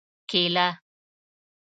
🍌کېله